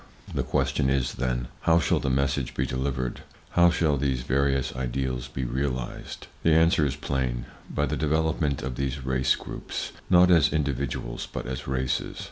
The question is, then: How shall this message be delivered; how shall these various ideals be realized? The answer is plain: By the development of these race groups, not as individuals, but as races.